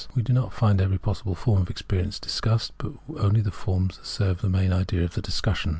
We do not find every possible form of experience discussed, but only such forms as serve the main idea of the discussion.